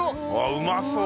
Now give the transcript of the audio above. うまそう！